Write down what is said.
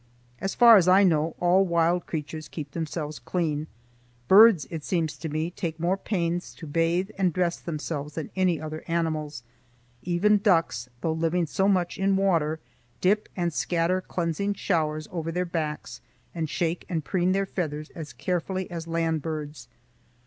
As far as I know, all wild creatures keep themselves clean. Birds, it seems to me, take more pains to bathe and dress themselves than any other animals. Even ducks, though living so much in water, dip and scatter cleansing showers over their backs, and shake and preen their feathers as carefully as land birds.